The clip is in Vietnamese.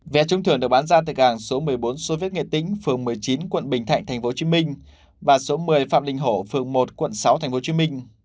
vé trung thưởng được bán ra tại hàng số một mươi bốn số viết nghệ tính phường một mươi chín quận bình thạnh tp hcm và số một mươi phạm đình hổ phường một quận sáu tp hcm